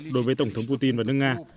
đối với tổng thống putin và nước nga